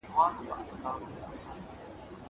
زه بايد ږغ واورم!